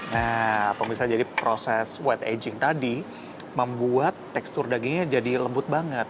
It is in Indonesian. nah hell misalnya proses wet aging tadi membuat tekstur dagingnya jadi lembut banget